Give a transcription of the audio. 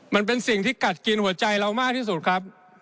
มันเป็นสิ่งที่กัดกินหัวใจเรามากที่สุดครับ